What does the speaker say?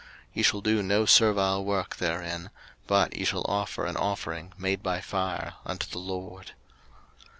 03:023:025 Ye shall do no servile work therein: but ye shall offer an offering made by fire unto the LORD.